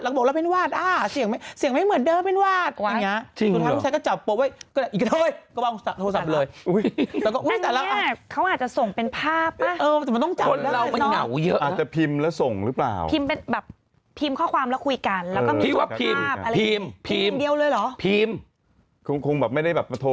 แล้วก็บอกแหละเป็นหวาดเสียงไม่เหมือนเดิมเป็นหวาด